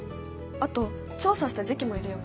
あと調査した時期も入れよう。